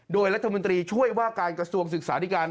โดยรัฐมนตรีช่วยว่าการกระทรวงศึกษาธิการ